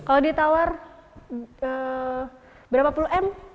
kalau ditawar berapa puluh m